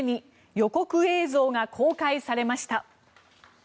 予告映像が公開されました。